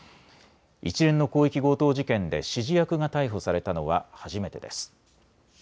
一連の広域強盗事件で指示役が逮捕されたのは初めてです。